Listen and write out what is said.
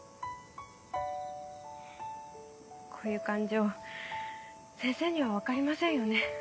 こういう感情先生にはわかりませんよね。